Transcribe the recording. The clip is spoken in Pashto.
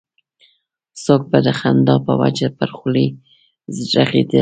څوک به د خندا په وجه پر غولي رغړېده.